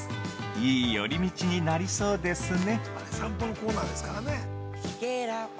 いい寄り道になりそうですね。